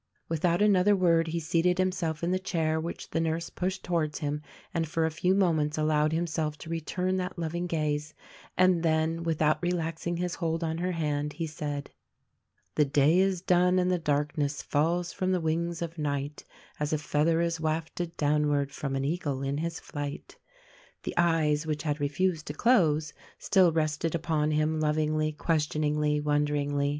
Without another word he seated himself in the chair which the nurse pushed towards him and for a few moments allowed himself to return that loving gaze, and then — without relaxing his hold on her hand he said: "The day is done and the darkness Falls from the wings of night As a feather is wafted downward From an eagle in his flight." The eyes which had refused to close, still rested upon him, lovingly, questioningly, wonderingly.